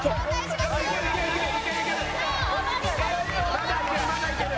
まだいけるまだいける！